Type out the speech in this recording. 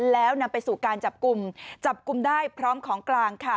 แล้วนำไปสู่การจับกลุ่มจับกลุ่มได้พร้อมของกลางค่ะ